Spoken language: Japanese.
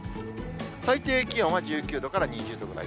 最低気温は１９度から２０度ぐらい。